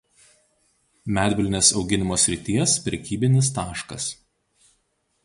Medvilnės auginimo srities prekybinis taškas.